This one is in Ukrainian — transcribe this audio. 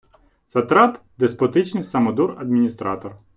Сатрап — деспотичний самодур-адміністратор